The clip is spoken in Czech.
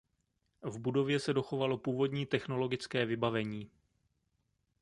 V budově se dochovalo původní technologické vybavení.